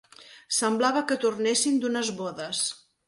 Semblava que tornessin d'unes bodes